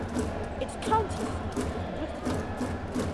Its county seat is Britton.